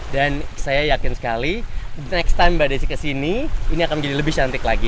dan saya yakin sekali next time mbak desy ke sini ini akan menjadi lebih cantik lagi